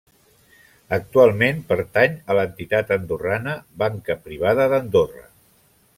Actualment, pertany a l'entitat andorrana Banca Privada d'Andorra.